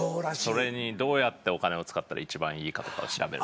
それにどうやってお金を使ったら一番いいかとかを調べる。